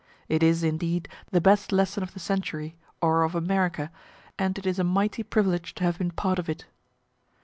It is, indeed, the best lesson of the century, or of America, and it is a mighty privilege to have been part of it.